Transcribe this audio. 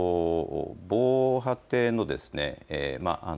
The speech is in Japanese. この防波堤のですね